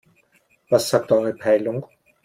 Was sagt eure Peilung?